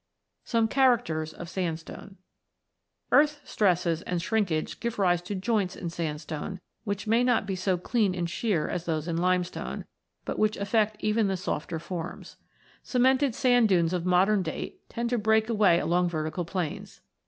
SOME CHARACTERS OF SANDSTONE Earth stresses and shrinkage give rise to joints in sandstone, which may not be so clean and sheer as those in limestone, but which affect even the softer in] THE SANDSTONES 69 forms. Cemented sand dunes of modern date tend to break away along vertical planes.